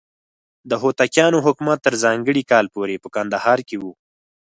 د هوتکیانو حکومت تر ځانګړي کال پورې په کندهار کې و.